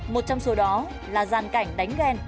một trong số đó là giàn cảnh đánh ghen